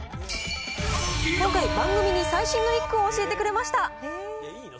今回、番組に最新の一句を教えてくれました。